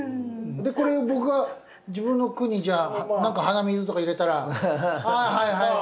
これで僕が自分の句にじゃあ何か「鼻水」とか入れたら「ああはいはい。